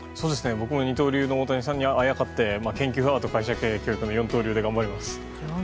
僕も二刀流の大谷さんにあやかって研究、アート、会社経営、教育の四刀流で頑張ります。